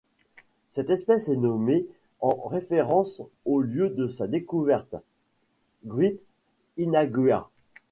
Cette espèce est nommée en référence au lieu de sa découverte, Great Inagua.